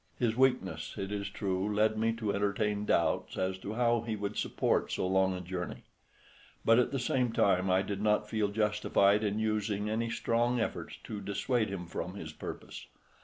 His weakness, it is true, led me to entertain doubts as to how he would support so long a journey; but at the same time I did not feel justified in using any strong efforts to dissuade him from his purpose.